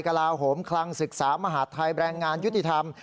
กลาโหมคลังศึกษามหาดไทยแบรนด์งานยุติธรรม